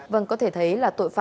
vâng có thể thấy là tội phạm